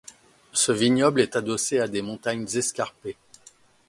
Ce vignoble est adossé à des montagnes escarpées.